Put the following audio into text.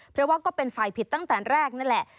เพราะว่าก็เป็นฝ่ายผิดตั้งแต่แรกนั่นแหละ